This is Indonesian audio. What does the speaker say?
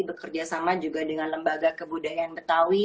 bekerjasama juga dengan lembaga kebudayaan betawi